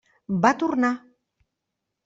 Va tornar.